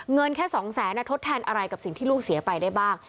เงินแค่๒แสนทดแทนอะไรกับสิ่งที่ลูกเสียไปได้บ้าง